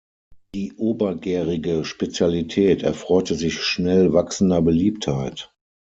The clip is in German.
Die obergärige Spezialität erfreute sich schnell wachsender Beliebtheit.